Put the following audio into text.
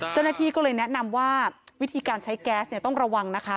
เจ้าหน้าที่ก็เลยแนะนำว่าวิธีการใช้แก๊สเนี่ยต้องระวังนะคะ